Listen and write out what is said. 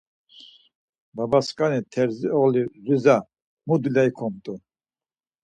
Babasǩani Terzoğli Riza, mu dulya ikumt̆u?